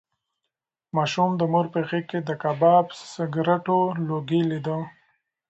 ماشوم د مور په غېږ کې د کباب د سګرټو لوګی لیده.